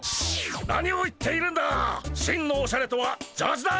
何を言っているんだ。